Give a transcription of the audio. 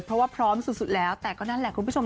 เพราะว่าพร้อมสุดแล้วแต่ก็นั่นแหละคุณผู้ชม